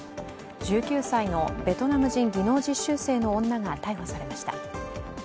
１９歳のベトナム人技能実習生の女が逮捕されました。